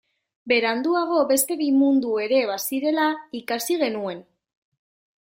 Beranduago beste bi mundu ere bazirela ikasi genuen.